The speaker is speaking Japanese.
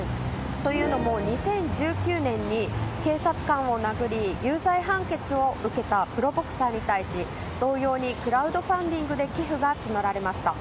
というのも、２０１９年に警察官を殴り有罪判決を受けたプロボクサーに対し同様にクラウドファンディングで寄付が募られました。